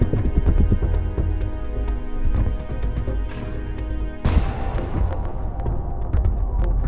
โดยที่สุดหายและอุดเสียชีวิตครับ